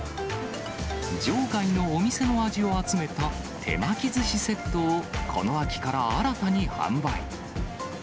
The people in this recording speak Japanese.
場外のお店の味を集めた手巻き寿司セットを、この秋から新たに販売。